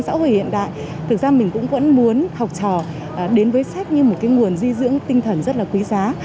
xã hội hiện đại thực ra mình cũng vẫn muốn học trò đến với sách như một cái nguồn di dưỡng tinh thần rất là quý giá